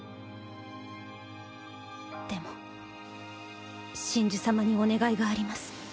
でも神樹様にお願いがあります。